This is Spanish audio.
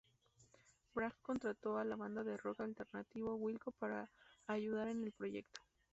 Bragg contrató a la banda de rock alternativo Wilco para ayudar en el proyecto.